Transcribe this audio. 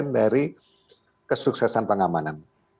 dari kesuksesan pengamanan